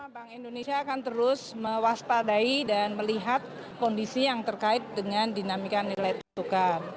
bank indonesia akan terus mewaspadai dan melihat kondisi yang terkait dengan dinamika nilai tukar